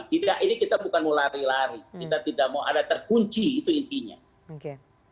tidak ini kita bukan mau lari lari kita tidak mau ada terkunci itu intinya oke